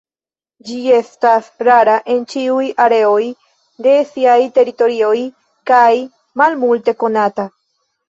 Ĝi estas rara en ĉiuj areoj de siaj teritorioj kaj malmulte konata.